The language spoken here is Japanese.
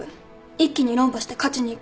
一気に論破して勝ちにいく